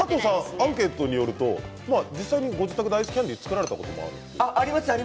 アンケートによると実際ご自宅でアイスキャンディーを作られたことがあるそうですね。